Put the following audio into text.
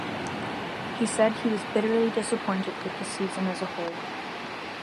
He said he was "bitterly disappointed" with the season as a whole.